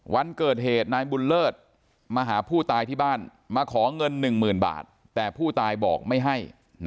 วันเกิดเหตุนายบุญเลิศมาหาผู้ตายที่บ้านมาขอเงิน๑๐๐๐บาทแต่ผู้ตายบอกไม่ให้